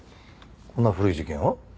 こんな古い事件を？